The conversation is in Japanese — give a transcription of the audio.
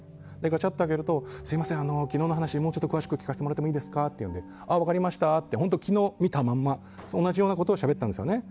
ガチャって開けるとすみません、昨日の話をもう少し詳しく聞かせてもらってもいいですかっていうんで、分かりましたと本当、昨日見たまま同じようなことをしゃべったんです。